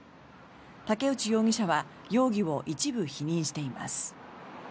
竹内容疑者は容疑を一部否認しています。